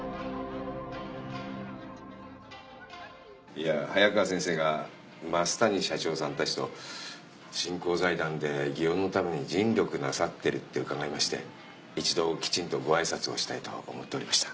いや早川先生が増谷社長さんたちと振興財団で祇園のために尽力なさってるって伺いまして一度きちんとご挨拶をしたいと思っておりました。